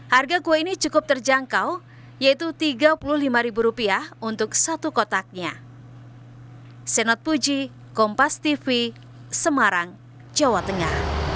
harga kue ini cukup terjangkau yaitu rp tiga puluh lima untuk satu kotaknya